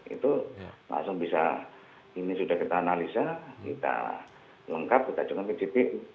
itu langsung bisa ini sudah kita analisa kita lengkap kita ajukan ke dpu